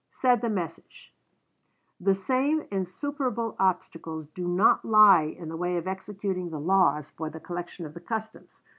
Said the message: "The same insuperable obstacles do not lie in the way of executing the laws for the collection of the customs.